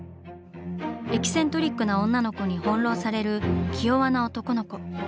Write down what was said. エキセントリックな女の子に翻弄される気弱な男の子。